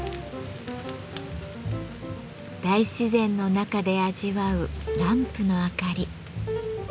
大自然の中で味わうランプのあかり。